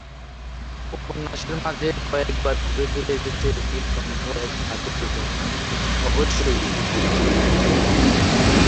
উপন্যাসের মাঝে কয়েকবার ঘুরে ফিরে এসেছে নীলকণ্ঠ এক পাখির কথা, অবশ্যই রূপক হিসাবে।